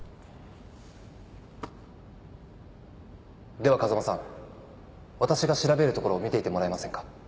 では風間さん私が調べるところを見ていてもらえませんか？